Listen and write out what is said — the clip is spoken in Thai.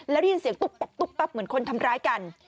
แล้วได้ยินเสียงตุ๊บปั๊บเหมือนคนทำร้ายกัน